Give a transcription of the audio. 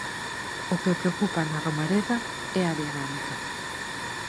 O que preocupa na Romareda é a dinámica.